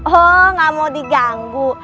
oh gak mau diganggu